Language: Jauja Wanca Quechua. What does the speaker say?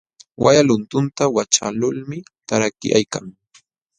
Walla luntunta waćhaqlulmi tarakyaykan.